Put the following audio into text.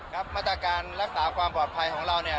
มาตรการรักษาความปลอดภัยของเราเนี่ย